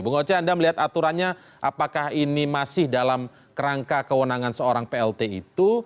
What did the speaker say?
bung oce anda melihat aturannya apakah ini masih dalam kerangka kewenangan seorang plt itu